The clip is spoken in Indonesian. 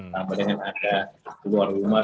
namun dengan ada keluar rumah